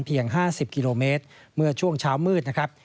๕๐กิโลเมตรเมื่อช่วงเช้ามืดนะครับ